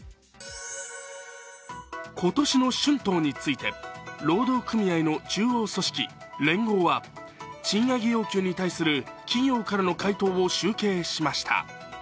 今年の春闘について、労働組合の中央組織・連合は賃上げ要求に対する企業からの回答を集計しました。